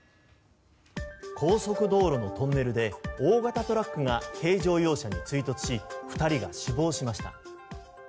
高速道路のトンネルで大型トラックが軽乗用車に追突し２人が死亡しました。